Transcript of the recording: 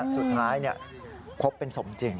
สุดท้ายเนี่ยครบเป็นสมจริง